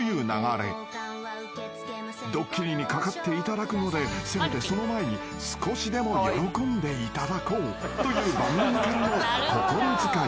［ドッキリにかかっていただくのでせめてその前に少しでも喜んでいただこうという番組からの心遣いです］